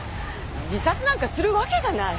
自殺なんかするわけがない。